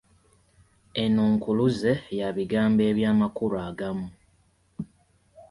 Eno nkuluze ya bigambo eby’amakulu agamu.